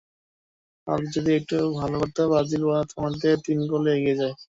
Hulk যদি আরেকটু ভালো করত, ব্রাজিল প্রথমার্ধেই তিন গোলে এগিয়ে যায়।